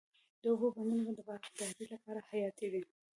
د اوبو بندونه د باغدارۍ لپاره حیاتي دي.